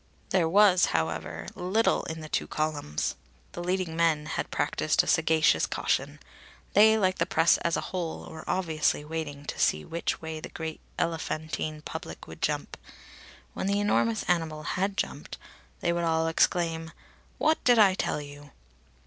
There was, however, little in the two columns. The leading men had practised a sagacious caution. They, like the press as a whole, were obviously waiting to see which way the great elephantine public would jump. When the enormous animal had jumped, they would all exclaim: "What did I tell you?"